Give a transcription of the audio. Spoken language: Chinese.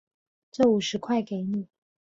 这五十块给你